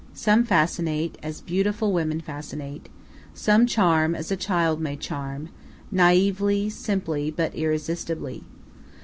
Some fascinate as beautiful women fascinate; some charm as a child may charm, naively, simply, but irresistibly.